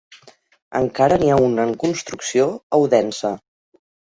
Encara n'hi ha un en construcció a Odense.